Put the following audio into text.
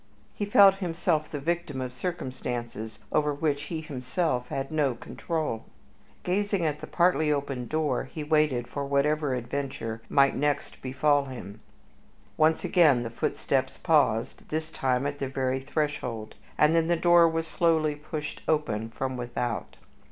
He felt himself the victim of circumstances over which he himself had no control. Gazing at the partly opened door, he waited for whatever adventure might next befall him. Once again the footsteps paused, this time at the very threshold, and then the door was slowly pushed open from without.